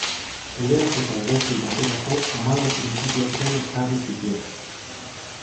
Kudeaketa egoki baterako hamalau printzipioak ere ezarri zituen.